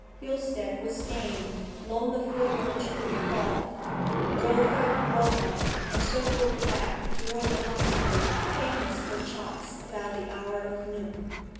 Hilstead was gained long before lunch could be thought of. Wilfrid rode on, and circled back towards the hostelry famous for chops about the hour of noon.